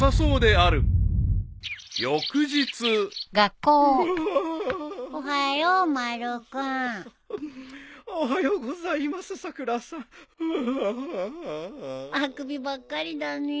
あくびばっかりだね。